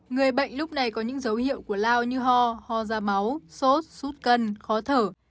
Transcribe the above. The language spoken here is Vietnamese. người bệnh lúc này có những dấu hiệu của lao như ho ho ho da máu sốt sút cân khó thở